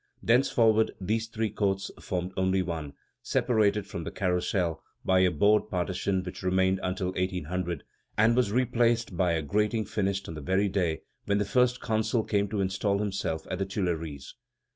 Thenceforward these three courts formed only one, separated from the Carrousel by a board partition which remained until 1800, and was replaced by a grating finished on the very day when the First Consul came to install himself at the Tuileries.